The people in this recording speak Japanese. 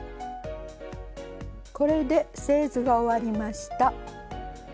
これで製図が終わりました。